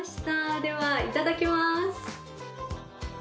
ではいただきます。